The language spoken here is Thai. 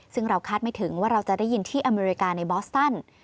ซึ่งเราคาดไม่ถึงว่าเราจะได้ยินที่อเมริกาในบอสตัน